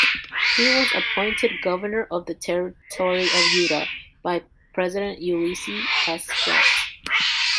He was appointed governor of the territory of Utah by President Ulysses S. Grant.